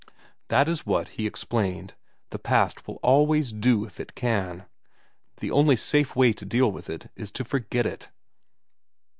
That is what, he explained, the past will always do if vn VERA 75 it can. The only safe way to deal with it is to forget it.